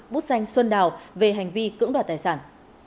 bút danh xuân đào về hành vi cưỡng đoạt tài sản